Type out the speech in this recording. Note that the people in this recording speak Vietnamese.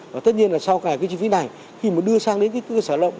và tất nhiên là sau cái chi phí này khi mà đưa sang đến cái cơ sở lộng